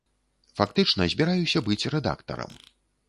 Фактычна, збіраюся быць рэдактарам.